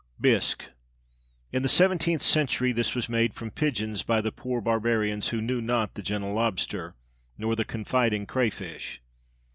_ Bisque. In the seventeenth century this was made from pigeons by the poor barbarians who knew not the gentle lobster, nor the confiding crayfish.